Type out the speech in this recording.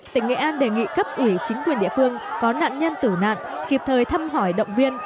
tỉnh nghệ an đề nghị cấp ủy chính quyền địa phương có nạn nhân tử nạn kịp thời thăm hỏi động viên